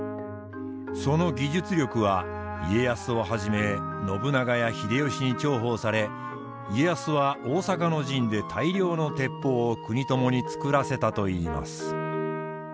その技術力は家康をはじめ信長や秀吉に重宝され家康は大坂の陣で大量の鉄砲を国友に作らせたといいます。